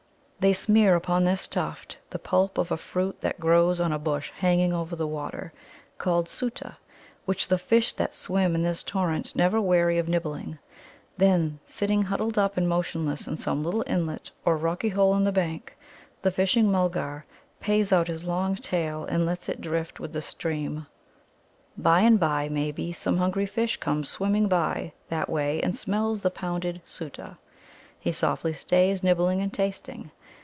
They smear upon this tuft the pulp of a fruit that grows on a bush hanging over the water, called Soota, which the fish that swim in this torrent never weary of nibbling. Then, sitting huddled up and motionless in some little inlet or rocky hole in the bank, the Fishing mulgar pays out his long tail and lets it drift with the stream. By and by, maybe, some hungry fish comes swimming by that way and smells the pounded Soota. He softly stays, nibbling and tasting.